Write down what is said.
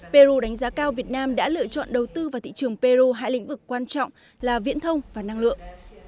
peru đánh giá cao việt nam đã lựa chọn đầu tư vào thị trường peru hai lĩnh vực quan trọng là viễn thông và năng lượng